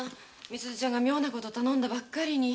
美鈴ちゃんが妙な事を頼んだばっかりに。